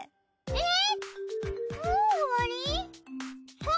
えっ！？